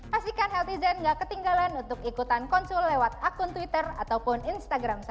pastikan healthy zen gak ketinggalan untuk ikutan konsul lewat akun twitter ataupun instagram saya